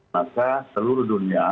maka seluruh dunia